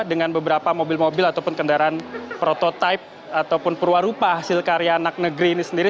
dengan beberapa mobil mobil ataupun kendaraan prototipe ataupun perwarupa hasil karya anak negeri ini sendiri